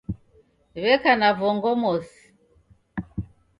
w'eka ni vongo mosi